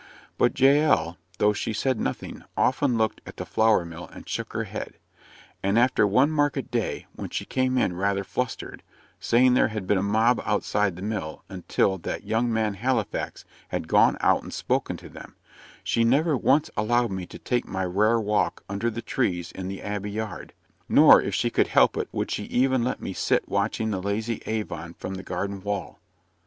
But Jael, though she said nothing, often looked at the flour mill and shook her head. And after one market day when she came in rather "flustered," saying there had been a mob outside the mill, until "that young man Halifax" had gone out and spoken to them she never once allowed me to take my rare walk under the trees in the Abbey yard; nor, if she could help it, would she even let me sit watching the lazy Avon from the garden wall.